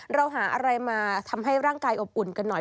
เราหาอะไรมาทำให้ร่างกายอบอุ่นกันหน่อย